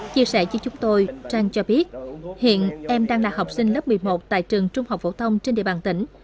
chia sẻ với chúng tôi trang cho biết hiện em đang là học sinh lớp một mươi một tại trường trung học phổ thông trên địa bàn tỉnh